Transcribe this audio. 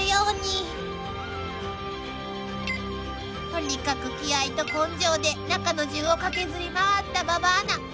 ［とにかく気合と根性で中野じゅうを駆けずり回った馬場アナ］